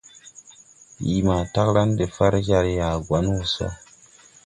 Bìi ma taglan de far jar ma Yagouan wɔ sɔ.